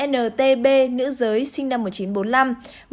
ntb nữ giới sinh năm một nghìn chín trăm bốn mươi năm